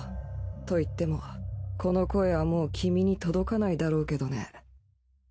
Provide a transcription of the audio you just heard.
と言ってもこの声はもう君に届かないだろうけどね。